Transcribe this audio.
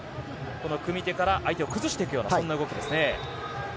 この組手から相手を崩していくそんな動きですね。